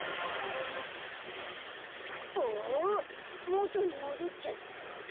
もとにもどっちゃった！